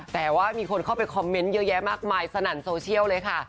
แต่ว่ามีคนเข้าไปคอมเมนต์เยอะแยะมากมายสนั่นโซเชียลเลยค่ะ